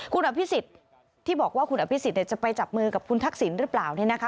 คุณอภิสิทธิ์ที่บอกว่าคุณอภิสิทธิ์เนี่ยจะไปจับมือกับคุณทักศิลป์หรือเปล่าเนี่ยนะคะ